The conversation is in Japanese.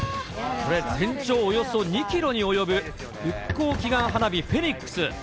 これ、全長およそ２キロに及ぶ復興祈願花火フェニックス。